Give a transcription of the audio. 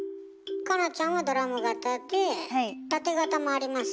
夏菜ちゃんはドラム型でタテ型もありますね。